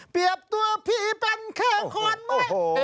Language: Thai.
เปรียบตัวผีเป็นเข้าความด้วย